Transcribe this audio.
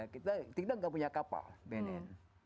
kita tidak punya kapal bnn